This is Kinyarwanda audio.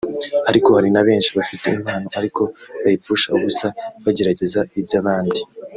ariko hari na benshi bafite impano ariko bayipfusha ubusa bagerageza ibya bandi